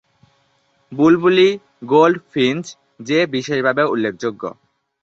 বুলবুলি, goldfinch, jay বিশেষভাবে উল্লেখযোগ্য।